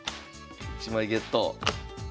１枚ゲット。